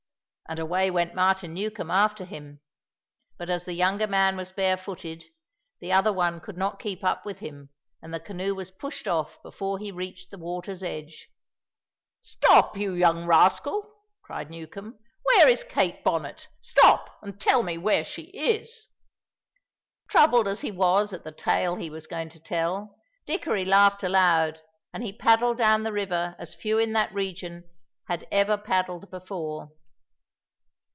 And away went Martin Newcombe after him. But as the younger man was barefooted, the other one could not keep up with him, and the canoe was pushed off before he reached the water's edge. "Stop, you young rascal!" cried Newcombe. "Where is Kate Bonnet? Stop! and tell me where she is!" Troubled as he was at the tale he was going to tell, Dickory laughed aloud, and he paddled down the river as few in that region had ever paddled before.